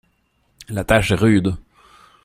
La tâche est rude!